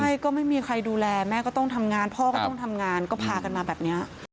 ใช่ก็ไม่มีใครดูแลแม่ก็ต้องทำงานพ่อก็ต้องทำงานก็พากันมาแบบนี้